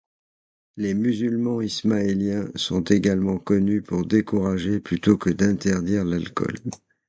Les musulmans ismaéliens sont également connus pour décourager, plutôt que d'interdire, l'alcool.